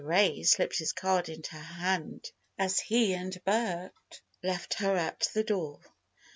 Ray slipped his card into her hand as he and Bert left her at the door.